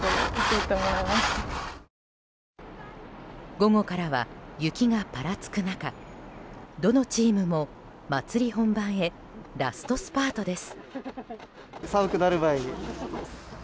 午後からは雪がぱらつく中どのチームも、まつり本番へラストスパートです。